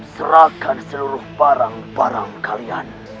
serahkan seluruh barang barang kalian